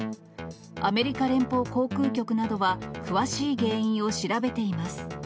アメリカ連邦航空局などは、詳しい原因を調べています。